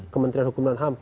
kementerian hukum dan ham